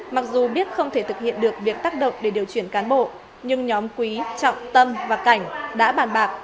mặc dù biết không thể thực hiện được việc tác động để điều chuyển cán bộ nhưng nhóm quý trọng tâm và cảnh đã bàn bạc